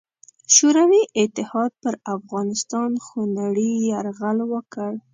شوروي اتحاد پر افغانستان خونړې یرغل وکړ.